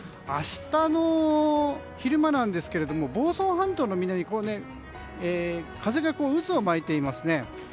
明日の昼間なんですが房総半島の南で風が渦を巻いていますね。